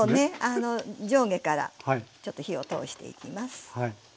あの上下からちょっと火を通していきます。